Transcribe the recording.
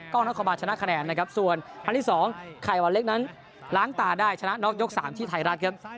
กล้องนครบาลชนะคะแนนนะครับส่วนครั้งที่๒ไข่วันเล็กนั้นล้างตาได้ชนะน็อกยก๓ที่ไทยรัฐครับ